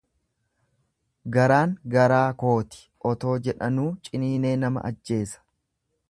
Garaan garaa kooti otoo jedhanuu ciniinee nama ajjeesa.